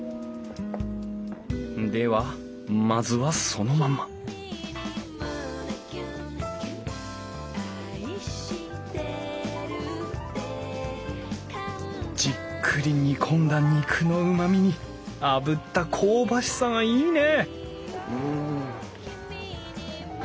ではまずはそのままじっくり煮込んだ肉のうまみにあぶった香ばしさがいいね！